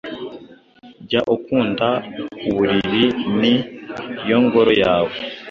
Jya ukunda uburiri ni yo ngoro yawe